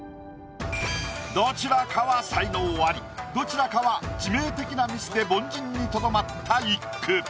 どちらかは才能アリどちらかは致命的なミスで凡人にとどまった一句。